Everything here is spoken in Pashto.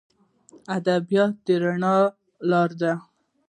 ادبیات د رڼا لار ده.